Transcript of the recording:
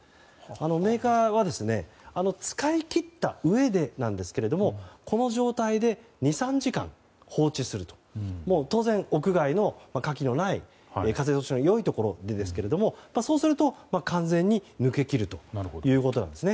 メーカーは使い切ったうえでなんですけれどもこの状態で２３時間放置すると当然、屋外の火気のない風通しの良いところですけれどもそうすると完全に抜け切るということなんですね。